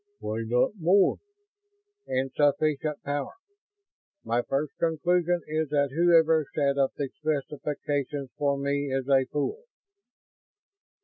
"Why not more?" "Insufficient power. My first conclusion is that whoever set up the specifications for me is a fool."